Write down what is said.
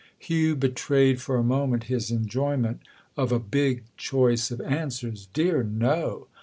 Hugh betrayed for a moment his enjoyment of a "big" choice of answers. "Dear, no!